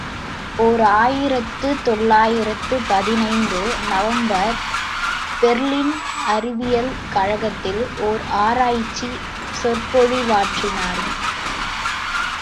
ஓர் ஆயிரத்து தொள்ளாயிரத்து பதினைந்து நவம்பர் பெர்லின் அறிவியல் கழகத்தில் ஓர் ஆராய்ச்சிச் சொற்பொழிவாற்றினார்.